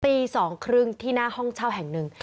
ตี๒๓๐ที่หน้าห้องเช่าแห่งหนึ่ง